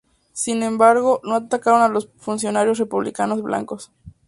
Sin embargo no atacaron a los funcionarios republicanos blancos.